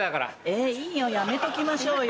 えぇいいよやめときましょうよ。